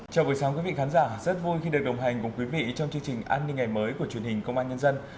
chào buổi sáng quý vị khán giả rất vui khi được đồng hành cùng quý vị trong chương trình an ninh ngày mới của truyền hình công an nhân dân